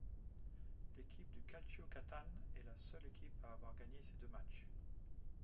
L'équipe du Calcio Catane est la seule équipe à avoir gagné ses deux matchs.